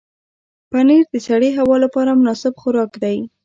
پنېر د سړې هوا لپاره مناسب خوراک دی.